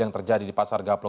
yang terjadi di pasar gaplok